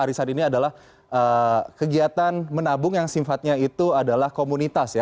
arisan ini adalah kegiatan menabung yang sifatnya itu adalah komunitas ya